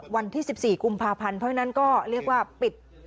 วันที่๑๔กุมภาพันธ์เพราะฉะนั้นก็เรียกว่าปิด